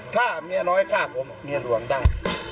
ถ้าเมียน้อยฆ่าผมเมียหลวงได้